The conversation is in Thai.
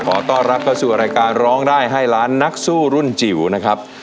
ขอต้อนรับเข้าสู่รายการร้องได้ให้ล้านนักสู้รุ่นจิ๋วนะครับ